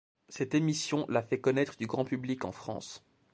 Cette émission la fait connaître du grand public en France.